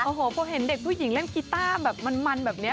โอ้โหพอเห็นเด็กผู้หญิงเล่นกีต้าแบบมันแบบนี้